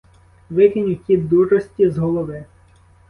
Викинь оті дурості з голови!